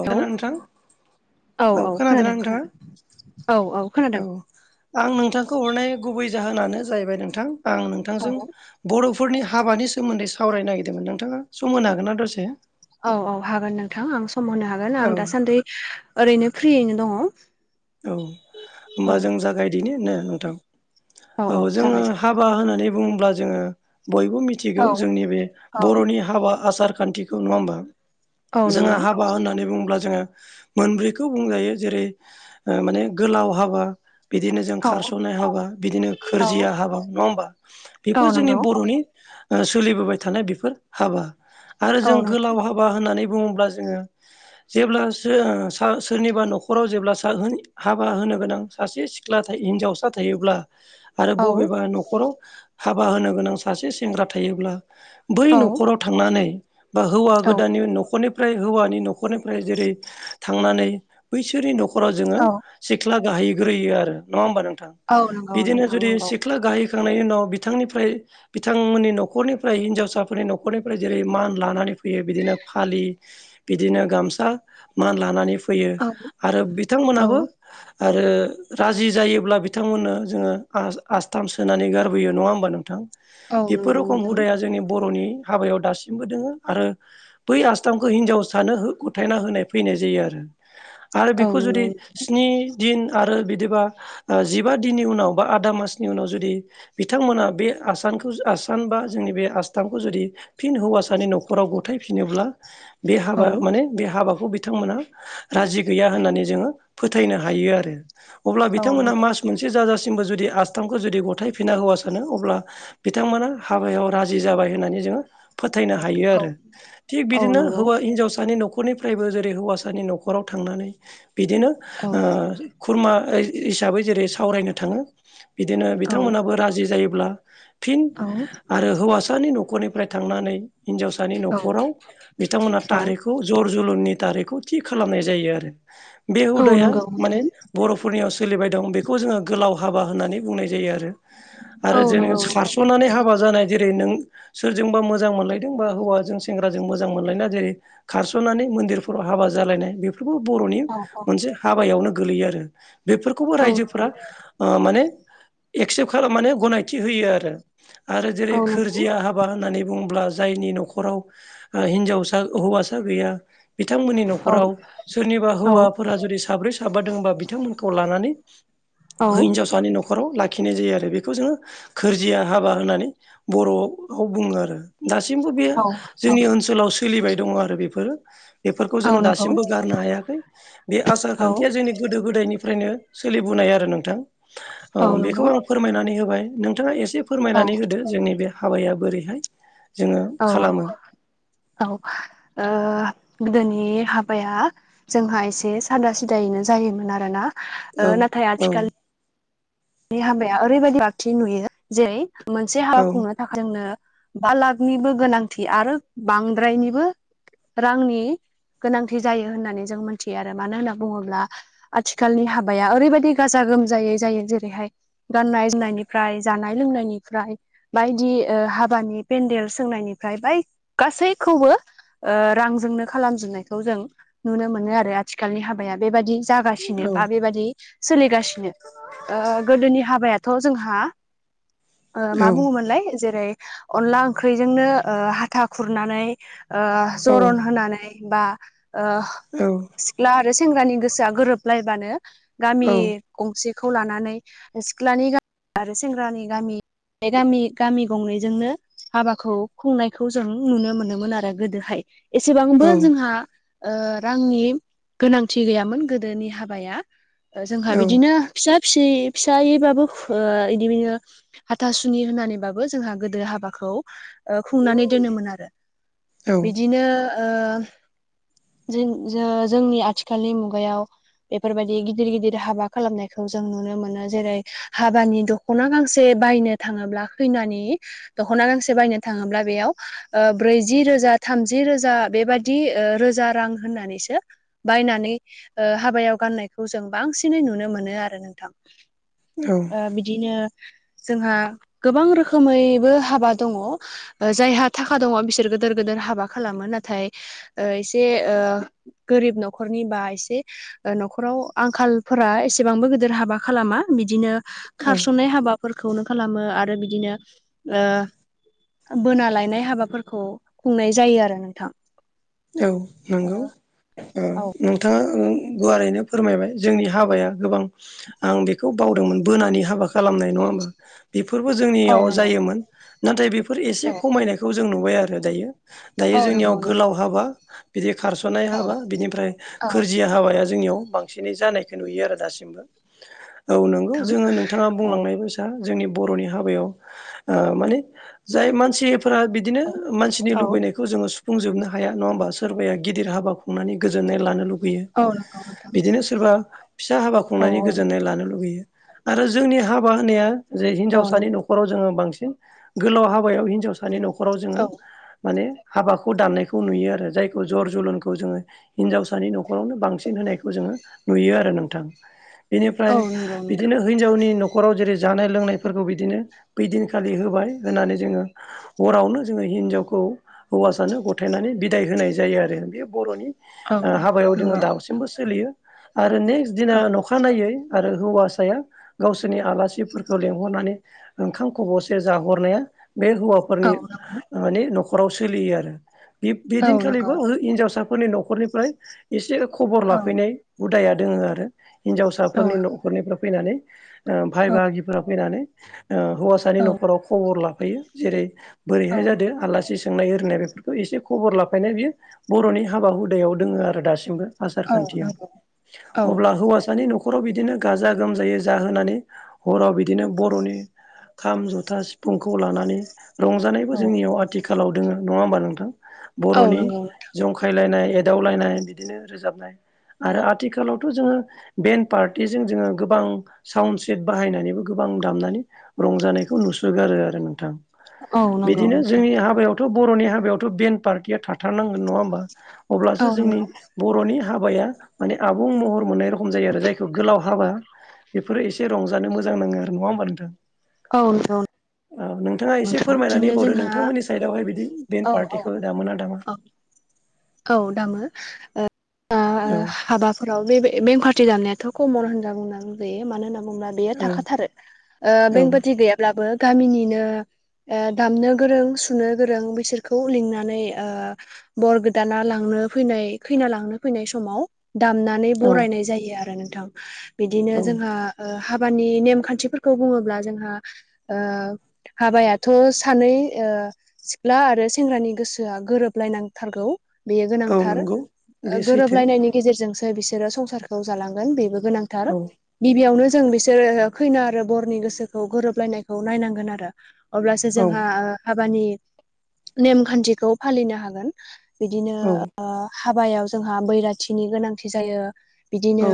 औ खोना नोंथां औ खोनादोंना खोनादों खोनादों औ नोंथांङा खोनादों औ आं नोंथांखौ हरनाय गुबै जाहोनानो जाहैबाय नोंथां आं औ नोंथांजों बर'फोरनि हाबानि सोमोन्दै सावरायनो नागिरदोंमोन नोंथांङा सम होनो हागोन ना दसे औ औ हागोन नोंथां आं सम होनो हागोन आं औ दासान्दि ओरैनो फ्रियैनो दंङो औ होमबा जों जागायदिनो ने नोंथां औ जोंङो हा बा होननानै बुंङोब्ला जोंङो बयबो मिथिगौ जागोन जोंनि बे औ बर'नि हाबा आसार खान्थिखौ नङा होमबा औ जोंहा नंगौ हा बा होननानै बुंङोब्ला जोंङो मोनब्रैखौ बुंजायो जेरै माने गोलाव हाबा बिदिनो जों औ खारस'नाय हाबा बिदिनो औ गोरजिया हाबा नंङा होमबा औ बेफोर जोंनि नंगौ बर'नि सोलिबोबाय थानाय बेफोर हाबा आरो औ जों नंगौ गोलाव हा माबा होननानै बुंङोब्ला जोंङो जेब्ला सोरनिबा न'खराव जेब्ला हाबा होनो गोनां सासे सिख्ला हिनजावसा थायोब्ला आरो औ बबेबा न' खराव हाबा होनो गोनां सासे सेंग्रा थायोब्ला बै औ न'खराव थांनानै बा हौवा गोदाननि औ न'खरनि फ्राय हौवानि न'खरनिफ्राय जेरै थांनानै बैसोरनि न'खराव जोंङो औ सिख्ला गाहैग्रोयो आरो नंङा होमबा नोंथां औ नंगौ बिदिनो नोंथां जुदि नंगौ सि ख्ला गाहैखांनायनि उनाव बिथांनिफ्राय बिथांमोननि न'खरनिफ्राय हिनजावसाफोरनि न'खरनिफ्राय जेरै मान लानानै फैयो बिदिनो फालि बिदिनो गामसा मान लानानै फैयो औ आरो औ बिथांमोनाबो आरो राजि जायोब्ला बिथांमोननो जोङो आस्थाम सोनानै गारबोयो नंङा होमबा नोंथां औ बेफोर नंगौ रोखम नोंथां हुदाया जोंनि बर'नि हाबायाव दासिमबो दोङो आरो बै आसथामखौ हिनजाव सानो गथायना होनाय फैनाय जायो आरो आरो औ बेखौ नंगौ जुदि स्नि दिन आरो बिदिबा जिबा दिननि उनाव बा आदा मासनि उनाव जुदि बिथांमोना बे आसानखौ आसान बा जोंनि बे आसथामखौ जुदि फिन हौवासानि न'खराव गथायफिनोब्ला बे औ हाबा माने बे हाबाखौ बिथांमोना राजि गैया होननानै जोंङो फोथायनो हायो आरो अब्ला औ बिथांमोनहा नंगौ मास मोनसे जाजासिमबो जुदि आसथामखौ जुदि गथायफिना होवासानो अब्ला बिथांमोना हाबायाव राजि जाबाय होननानै जोङो फोथायनो हायो औ आरो थिग औ बिदिनो नंगौ हौवा हिनजावसानि न'खर न'खरनिफ्रायबो जेरै हौवासानि न'खराव थांनानै बिदिनो औ खुरमा हिसाबै जेरै सावरायनो थाङो बिदिनो औ बिथांमोनाबो राजि जायोब्ला फिन आरो हौवासानि न'खरनिफ्राय थांनानै हिनजावस न'राव बिथांमोनहा थारिखौ जर जोलुरनि दारैखौ थि खालामनाय जायो आरो बे औ हुदाया नंगौ माने नोंथां बर'फोरनियाव सोलिबाय दं बेखौ जोङो गोलाव हाबा होननानै बुंनाय जायो आरो औ आरो जोङो नंगौ नोंथां सारस'नानै हाबा जानाय जेरै नों सोरजोंबा मोजां मोनलायदोंबा हौवाजों सेंग्राजों मोजां मोनलायना जायो खारस'नानै मन्दिरफोराव हाबा जालायनाय बे बे बर'नि औ मोनसे हाबायावनो गोलैयो आरो बेफोरखौबो औ नंगौ रायजोफोरा माने एक्सेप्ट खालाम मनानै गनायथि होयो आरो आरो जेरै औ नंगौ सोरजिया हाब बा होननानै बुंङोब्ला जायनि न'खराव हिनजावसा हौवासा गैया बिथांमोननि औ न'खराव सोरनिबा हौवा जुदि साब्रै साबाादोंबा बिथांमोनखौ लानानै औ हिनजावसानि न' खराव लाखिनाय जायो आरो बेखौ जोङो सोरजिया हाबा होननानै बर'आव बुङो आरो दासिमबो बे औ जोंनि ओनसोलाव सोलिबाय दङो आरो बेफोरो बेफोरखौ औ जोङो नंगौ दासिमबो गारनो हायाखै बे आसार औ खान्थिया जोंनि गोदो गोदायनिफ्रायनो सोलिबोनाय आरो नोंथां औ बेखौ नंगौ आं फोरमायनानै होबाय नोंथांङा एसे औ फोरमायनानै होदो जोंनि बे हाबाया बोरैहाय जोङो औ खालामो औ औ गोदोनि हाबाया जोंहा एसे सादा सिदायैनो जायोमोन आरोना औ नाथाय औ आथिखाल हाबाया ओरैबायदि बाक्थि नुयो जेरै मोनसे हाबा औ खुंनो थाखाय जोंनो बा लाखनिबो गोनांथि आरो बांद्रायनिबो रांनि गोनांथि जायो होननानै जों मोनथियो आरो मानो होनना बुङोब्ला आथिखालनि हाबाया ओरैबायदि गाजा गोमजायै जायो जेर रैहाय गाननाय जोमनायनिफ्राय जानाय लोंनायनिफ्राय बायदि हाबानि पेन्देल सोंनायनिफ्राय बाय गासैखौबो ओ रांजोंनो खालामजोबनायखौ जों नुनो मोनो आरो आथिखालनि हाबाया बेबदि जागासिनो औ बा बेबादि सोलिगासिनो गोदोनि हाबायाथ' जोंहा औ मा बुङोमोनलाय जेरै अनला ओंख्रिजोंनो हाथा खुरनानै औ जरन होनानै बा ओ औ सिख्ला आरो सेंग्रानि गोसोआ गोरोबलायबानो गामि गंसे खौ लानानै सिख्लानि गामि आरो सेंग्रानि गामि बे गामि गामि गंनैजोंनो हाबाखौ खुंनायखौ जों नुनो मोनोमोन आरो गोदोहाय औ एसेबांबो जोंहा रांनि गोनांथि गैयामोन गोदोनि हाबाया जोंहा बिदिनो फिसा फिसै फिसायैबाबो बिदि बिनो हाथासुनि होननानैबाबो जोंहा गोदो हाबाखौ खुंनानै दोनोमोन आरो औ बिदिनो जों ज जोंनि आथिखालनि मुगायाव बेफोरबायदि गिदिर गिदिर हाबा खालामनाय खौ जों नुनो मोनो जेरै हाबानि दख'ना गांसे बायनो थाङोब्ला खैनानि दख'ना गांसे बायनो थाङोब्ला बेयाव ओ ब्रैजि रोजा थामजि रोजा बेबादि रोजा रां होननानैसो बायनानै हाबायाव गाननायखौ जों बांसिनै नुनो मोनो आरो नोंथां औ ओ बिदिनो जोंहा गोबां रोखोमैबो हाबा दङ ओ जायहा थाखा दङ बिसोर गोदोर गोदोर हाबा खालामो नाथाय एसे ओ गोरिब न'खरनि बा एसे न'खराव आंखालफोरा एसेबांबो गोदोर हाबा खालामा बिदिनो औ खारसनाय हाबा फोरखौनो खालामो आरो बिदिनो ओ बोना लायनाय हाबाफोरखौ खुंनाय जायो आरो नोंथां औ नंगौ ओ औ नोंथाङा ओ गुवारैनो फोरमायबाय जोंनि हाबाया गोबां आं बेखौ बावदोंमोन बोनानि हाबा खालामनाय नङा होमबा बेफोरबो औ जोंनियाव नंगौ जायोमोन नाथाय बे फोर एसे औ खमायनायखौ जों नुबाय आरो दायो दायो औ जोंनियाव नंगौ नोंथां गोलाव हाबा बिदि खारस'ननाय हाबा बिनिफ्राय औ गोरजिया हाबाया जोंनियाव बांसिनै जानायखौ नुयो आरो दासिमबो औ नोंगौ नोंथां जोङो नोंथाङा औ बुंलांनाय बायसा जोंनि बर'नि हाबायाव ओ माने जाय मानसिफोरा बिदिनो मानसिनि औ लुबैनायखौ जोङो सुफुंजोबनो हाया नङा होमबा सोरबाया गिदिर हाबा खुंनानै गोजोननाय लानो लुुबैयो औ नंगौ नोंथां बिदिनो सोरबा फिसा हाबा औ खुंनायनि औ गोजोननाय लानो लुुबैयो आरो जोंनि हाबा होनाया जे औ हिनजावसानि नंगौ न'खराव जोङो बांसिन गोलाव हाबायाव हिनजावसानि न'खराव जों औ माने हाबाखौ दाननायखौ नुयो आरो जायखौ जर जलनखौ जोङो हिनजावसानि न'खर आवनो बांसिन होनायखौ जोङो नुयो आरो नोंथां औ बेनिफ्राय नंगौ नोंथां बिदिनो हिनजावनि न'खराव जेरै जानाय लोंनायफोरखौ बिदिनो बैदिनखालि होबाय होनानै जोङो हरावनो जोङो हिनजावखौ हौवासानो गथायनानै बिदाय होनाय जायो आरो बे बर'नि औ हाबायाव जोङो दासिमबो सोलियो आरो नेक्स दिना न'ख खानायै आरो हौवासाया गावसोरनि आलासिफोरखौ लेंहरनानै ओंखाम खबसे जाहरनाया बे हौवाफोरनि औ नंगौ मानानि न'खराव सोलियो आरो औ नंगौ बेदिनखालिबो हिनजावसा फोरनि न'खरनिफ्राय एसे खबर औ नंगौ औ लाफैनाय हुदाया दङो आरो हिन्जावसाफोरनि न'खरनिफ्राय फैनानै ओ भाय बागिफ्रा फैनानै ओ हौवानि औ न'खराव खबर लाफैयो जेरै औ बोरैहाय जादों आलासि सोंनाय ओरिनाय बेफोरखौ एसे खबर लाफैनाय बियो बर'नि हाबा हुदायाव दोङो आरो दासिमबो आसार औ खान्थियाव नंगौ औ अब्ला हौवासानि न'खर ख'राव बिदिनो गाजा गोमजायै जाहोनानै हराव बिदिनो बर'नि खाम जथा सिफुंखौ लानानै रंजानायबो जोंनियाव आथिखालाव दोङो नङा होमबा नोंथां औ बर'नि जंखायलायनाय एदावलायनाय बिदिनो रोजाबनाय आरो आथिखालावथ जोङो बेन पार्टिजों जोङो गोबां साउड सेट बाहायनानैबो गोबां दामनानै रंजानायखौ नुसोगारो आरो नोंथां औ नंगौ बिदिनो नोंथां जोंनि हाबायाव थ बर'नि हाबायावथ बेन पार्टिया थाथारनांगोन नङा होमबा औ अब्लासो जोंनि नंगौ बर'नि हाबाया माने आबुं महर मोननाय रखम जायो आरो जायखौ गोलाव हाबा बेफोरो एसे रंजानो मोजां नाङो आरो नङा होमबा नोंथां औ नंगौ औ नोंथाङा एसे नोंथां बिदिनो फोरमायनानै बावदो जोंहा नोंथांमोननि साइडआवहाय बिदि दन औ औ पार्टिखौ दामोना दामा औ औ दामो ओ औ हाबा फोराव बे बें कार्टि दामनायाथ' कमन होनना बुंनां जायो मानो होनना बुंङोब्ला बेयो औ थाखाथारो ओ औ बेंपारति गैयाब्लाबो गामिनिनो ओ दामनो गोरों सुनो गोरों बिसोरखौ लिंनानै ओ बरगोद गोदाना लांनो फैनाय खैना लांनो फैनाय समाव दामनानै औ बरायनाय जायो आरो नोंथां बिदिनो औ जोंहा ओ हाबानि नेम खान्थिफोरखौ बुङोब्ला जोंहा ओ हाबायाथ सानै ओ सिख्ला आरो सेंग्रानि गोसोआ गोरोबलायनांथारगौ बेयो औ गोनांथार नंगौ ओ बे सैथो गोरोबलायनायनि गेजेरजोंसो बिसोरो संसारखौ जालांगोन बेबो गोनांथार औ गिबियावनो जों बिसोरो खैना आरो बरनि गोसोखौ गोरोबलायनायखौ नायनांगोन आरो अब्लासो औ जोंहा हाबानि नेमखान्थिखौ फालिनो हागोन बिदिनो औ हाबायाव जोंहा बैराथिनि गोनांथि जायो बिदिनो औ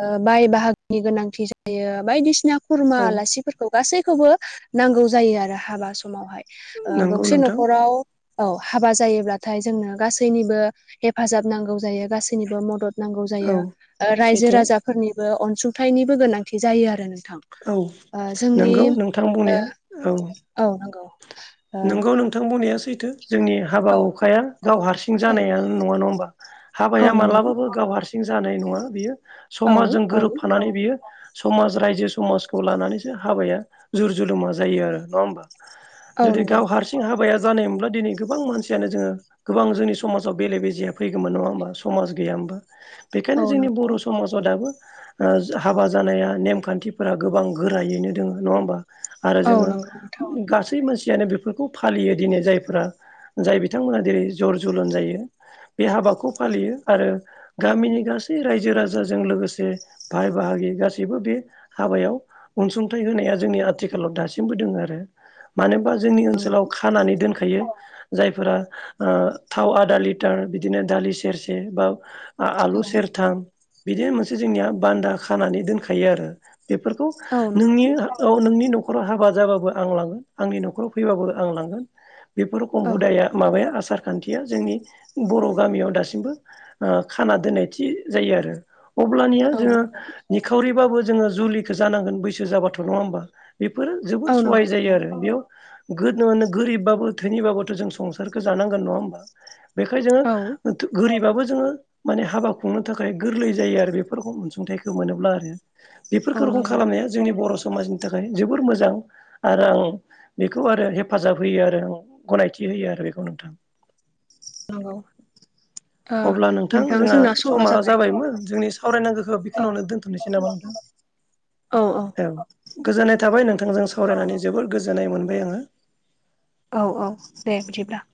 ओ बाय बाहागोनि गोनांथि जायो बायदिसिना खुरमा औ आलासिफोर खौ गासैखौबो नांगौ जायो आरो हाबा समावहाय ओ नंगौ गंसे नोंथां न'खराव औ हाबा जायोब्लाथाय जोंनो गासैनिबो हेफाजाब नांगौ जायो गासैनिबो मदद नांगौ औ जायो रायजो सैथो राजाफोरनिबो अनसुंथाइनिबो गोनांथि जायो आरो नोंथां औ ओ जोंनि नंगौ नोंथां बुंनाया औ औ नंगौ ओ नोंगौ नोंथां बुंनाया सैथो जोंनि हाबा औ हुखाया गाव हारसिं जानायानो नङा नङा होमबा हाबाया औ नंगौ मालाबाबो गाव हारसिं जानाय नङा बियो औ समाजजों औ गोरोबफानानै बियो समाज रायजो समाजखौ लानानैसो हाबाया जुर जुलुमा जायो आरो नङा होमबा औ जुदि नंगौ गाव हारसिं हाबाया जानाय हब्ला दिनै गोबां मानसियानो जोङो गोबां जोंनि समाजाव बेले बेजेया फैगौमोन नङा होमबा समाज गैयामोनबा औ बेखायनो जोंनि नंगौ बर' समाजाव दाबो हाबा जानाया नेमखान्थिफोरा गोबां गोरायैनो दोङो नङा होमबा आरो औ जोङो नंगौ नोंथां गासै मानसियानो बेफोरखौ फालियो दिनै जायफोरा जाय बिथांमोना जेरै जर जलन जायो बे हाबाखौ फालियो आरो गामिनि गासै रायजो राजाजों लोगोसे भाय बाहागि गासैबो बे हाबायाव अनसुंथाइ होनाया जोंनि आथिखालाव दासिमबो दोङो आरो मानो होनबा जोंनि नंगौ ओनसोलाव खानानै दोनखायो जायफोरा ओ थाव आधा लिटार बिदिनो दालि सेरसे बा औ आलु सेरथाम बिदिनो मोनसे जोंनिया बान्दा खानानै दोनखायो आरो बेफोरखौ औ नंगौ नोंनि औ नोंनि न'खराव हाबा जाबाबो आं लांगोन आंनि न'खराव फैबाबो आं लांगोन बेफोरखम औ हुदाया माबाया आसार खान्थिया जोंनि बर' गामियाव दासिमबो खाना दोननायथि जायो आरो अब्लानिया औ जोङो नंगौ निखावरिबाबो जोङो जुलिखौ जानांगोन बैसो जाबाथ' नङा होमबा बेफोरो औ जोबोर सहाय नंगौ जायो नोंथां आरो बेयाव गोरिबबाबो धोनिबाबोथ' जों संसारखौ जानांगोन नङा होमबा बेखाय जोङो औ गोरिबाबो जोङो माने हाबा खुंनो थाखाय गोरलै जायो आरो बेफोरखौ अनसुंथाइखौ मोनोब्ला आरो औ बेफोरखौ रोखम नंगौ खालामनाया जोंनि बर' समाजनि थाखाय जोबोर मोजां आरो आं बेखौ आरो हेफाजाब होयो आरो आं गनायथि होयो आरो बेखौ नोंथां नंगौ ओ अब्ला नोंथां जोंहा समा जाबायमोन जोंनि सावरायनांगौखौ औ बेखिनियावनो दोनथ'नोसै नामा नोंथां औ औ औ गोजोननाय थाबाय नोंथांजों सावरायनानै जोबोर गोजोननाय मोनबाय आङो औ औ दे बिदिब्ला